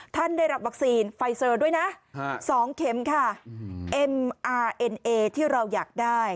ท่านได้รับวัคซีนไฟเซอร์ด้วยนะสองเข็มค่ะที่เราอยากได้